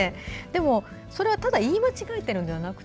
でも、それはただ言い間違えているんじゃなく